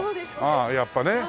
ああやっぱね。